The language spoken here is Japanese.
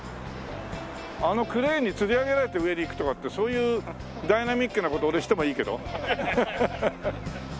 あのクレーンにつり上げられて上に行くとかってそういうダイナミックな事俺してもいいけど？